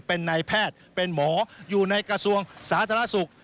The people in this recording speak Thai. เป็นนายแพทย์เป็นหมออยู่ในกระทรวงสาธารณสุข